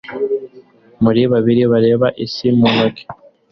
muri babiri bareba isi mu ntoki